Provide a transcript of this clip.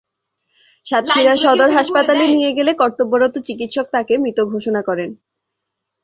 সাতক্ষীরা সদর হাসপাতালে নিয়ে গেলে কর্তব্যরত চিকিৎসক তাঁকে মৃত ঘোষণা করেন।